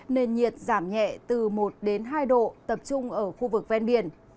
nền nhiệt giảm nhẹ từ một đến hai độ tập trung ở khu vực ven biển